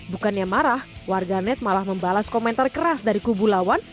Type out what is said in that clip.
bukannya marah warga net malah membalas komentar keras dari kubu lawan